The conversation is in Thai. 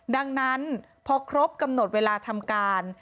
ดังนั้นพอครบกำหนดเวลาทำการ